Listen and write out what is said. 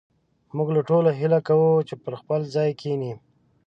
موږ له ټولو هيله کوو چې پر خپل ځاى کښېنئ